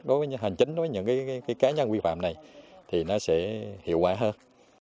đối với hành chính với những cá nhân quy phạm này thì nó sẽ hiệu quả hơn